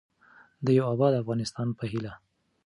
د یوه اباد افغانستان په هیله.